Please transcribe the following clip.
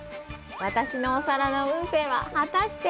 私のお皿の運勢は果たして？